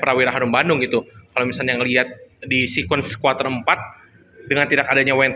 prawira harum bandung itu kalau misalnya ngelihat di sekuensi kuat rempat dengan tidak adanya went